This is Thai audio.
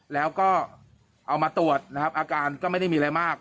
แล้วก็เอามาตรวจนะครับอาการก็ไม่ได้มีอะไรมาก